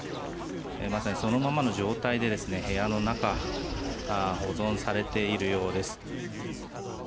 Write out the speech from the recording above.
まさにそのままの状態で部屋の中保存されているようです。